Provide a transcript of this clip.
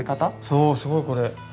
そうすごいこれ。